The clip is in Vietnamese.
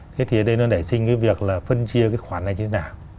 thế thì đây nó để sinh cái việc là phân chia cái khoản này thế nào